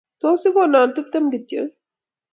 Tos, igono tuptem kityo?